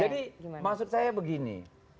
jadi maksud saya begini